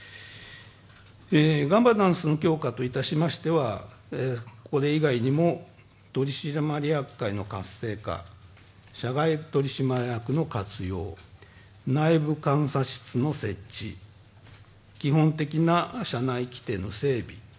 ガバナンスの強化といたしましては、これ以外にも取締役会の活性化、社外取締役の活用、内部監査室の設置、基本的な社内規定の整備